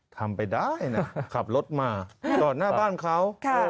ทำไปได้นะขับรถมาจอดหน้าบ้านเขา